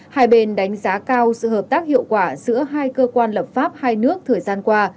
hai bên đánh giá cao sự hợp tác hiệu quả giữa hai cơ quan lập pháp hai nước thời gian qua